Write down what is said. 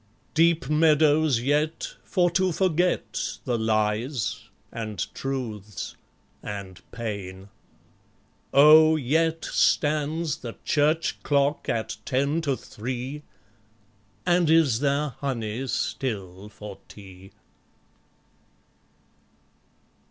Deep meadows yet, for to forget The lies, and truths, and pain? ... oh! yet Stands the Church clock at ten to three? And is there honey still for tea?